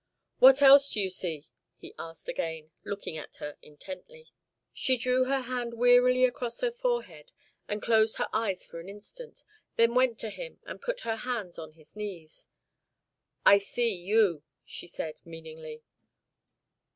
"What else do you see?" he asked again, looking at her intently. She drew her hand wearily across her forehead and closed her eyes for an instant, then went to him, and put her hands on his knees. "I see you," she said, meaningly.